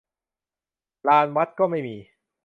ลานวัดก็ไม่มี